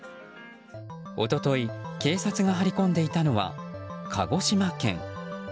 一昨日警察が張り込んでいたのは鹿児島県。